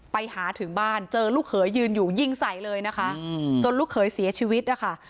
ไปถึงบ้านเจอลูกเขยยืนอยู่ยิงใส่เลยนะคะจนลูกเขยเสียชีวิตนะคะ